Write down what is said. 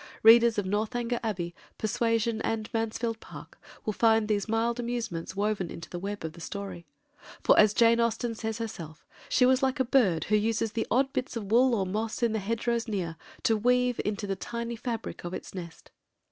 Readers of Northanger Abbey, Persuasion, and Mansfield Park will find these mild amusements woven into the web of the story; for, as Jane Austen says herself, she was like a bird who uses the odd bits of wool or moss in the hedgerows near to weave into the tiny fabric of its nest.